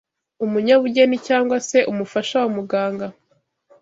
umunyabugeni cyangwa se umufasha wa muganga,